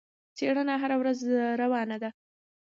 څېړنه هره ورځ روانه ده.